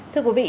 thưa quý vị